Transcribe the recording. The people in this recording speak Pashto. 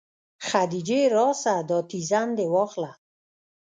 خديجې راسه دا تيزن دې واخله.